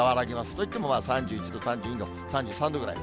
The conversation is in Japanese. といっても３２度、３３度ぐらい。